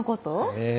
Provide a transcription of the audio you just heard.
ええ。